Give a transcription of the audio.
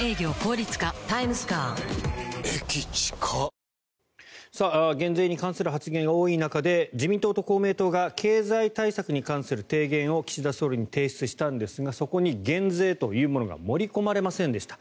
三菱電機減税に関する発言が多い中で自民党と公明党が経済対策に関する提言を岸田総理に提出したんですがそこに減税というものが盛り込まれませんでした。